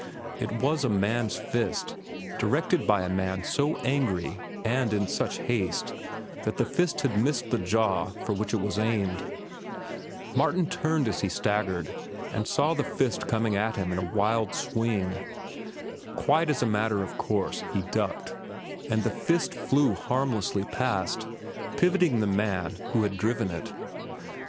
It was a man's fist, directed by a man so angry and in such haste that the fist had missed the jaw for which it was aimed. Martin turned as he staggered, and saw the fist coming at him in a wild swing. Quite as a matter of course he ducked, and the fist flew harmlessly past, pivoting the man who had driven it.